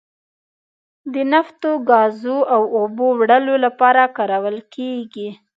د نفتو، ګازو او اوبو وړلو لپاره کارول کیږي.